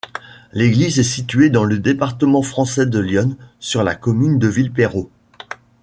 L'église est située dans le département français de l'Yonne, sur la commune de Villeperrot.